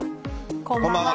こんばんは。